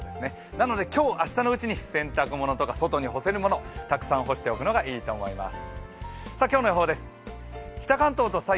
なので今日、明日のうちに洗濯物とか外に干せるもの、たくさん干しておくのがいいと思います。